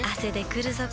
くるぞ？